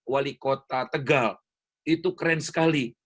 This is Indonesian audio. wali kota tegal itu keren sekali